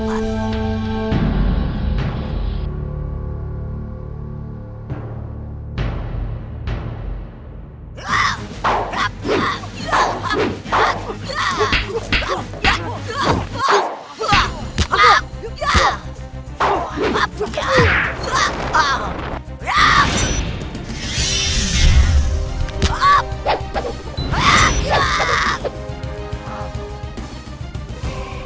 aku akan mengundurmu